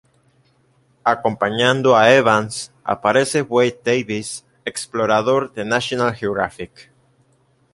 Acompañando a Evans aparece Wade Davis, explorador de National Geographic.